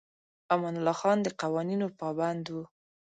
امان الله خان د قوانینو پابند و.